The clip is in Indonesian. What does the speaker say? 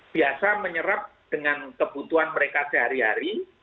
biasa menyerap dengan kebutuhan mereka sehari hari